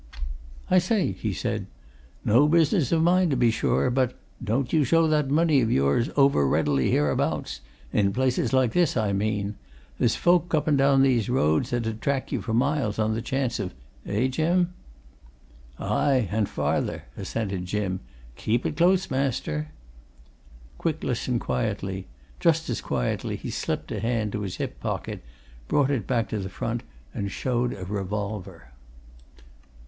"I say!" he said. "No business of mine, to be sure, but don't you show that money of yours over readily hereabouts in places like this, I mean. There's folk up and down these roads that 'ud track you for miles on the chance of eh, Jim?" "Aye and farther!" assented Jim. "Keep it close, master." Quick listened quietly just as quietly he slipped a hand to his hip pocket, brought it back to the front and showed a revolver.